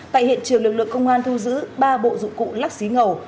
tại hiện trường lực lượng công an thu giữ ba bộ dụng cụ lắc xí ngầu